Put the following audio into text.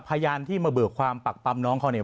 พยานที่มาเบิกความปักปั๊มน้องเขาเนี่ย